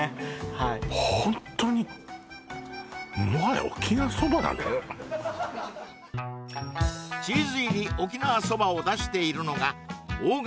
はいホントにチーズ入り沖縄そばを出しているのが大型